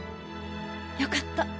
よかった。